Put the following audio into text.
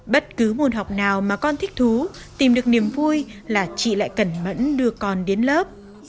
bất cứ môn học nào mà con thích thú tìm được niềm vui là chị lại cẩn mẫn đưa con đến lớp